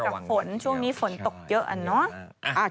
มากับฝนช่วงนี้ฝนตกเยอะอ่ะเนาะ